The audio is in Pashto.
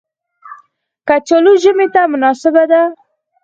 کچالو ژمي ته مناسبه ده